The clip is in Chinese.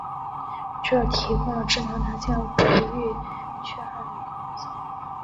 这提供了治疗男性不育缺憾的可能性。